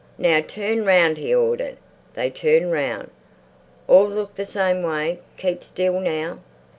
"Now turn round!" he ordered. They turned round. "All look the same way! Keep still! Now!"